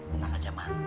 tenang aja mak